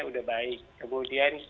sudah baik kemudian